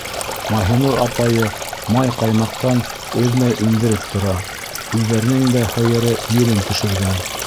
Маһинур апайы май-ҡаймаҡтан өҙмәй индереп тора, үҙҙәренең дә һыйыры елен төшөргән.